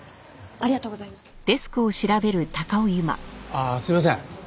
ああすいません。